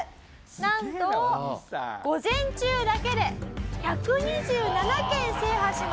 なんと午前中だけで１２７件制覇します。